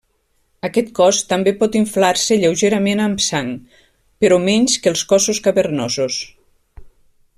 Aquest cos també pot inflar-se lleugerament amb sang, però menys que els cossos cavernosos.